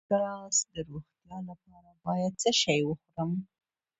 د پانکراس د روغتیا لپاره باید څه شی وخورم؟